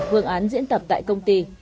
hương án diễn tập tại công ty